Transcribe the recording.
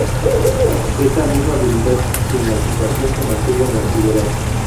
Esta misma habilidad en la equitación se mantuvo en la antigüedad.